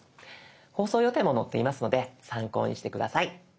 放送予定も載っていますので参考にして下さい。